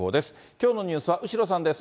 きょうのニュースは後呂さんです。